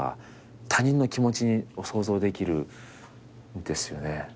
他人の気持ちを想像できるんですよね。